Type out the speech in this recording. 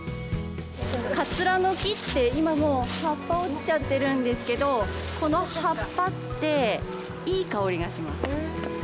桂の木って今もう葉っぱ落ちちゃってるんですけどこの葉っぱっていい香りがします。